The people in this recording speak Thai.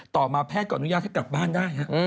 ต่อมาแพทย์ก็อนุญาตให้กลับบ้านได้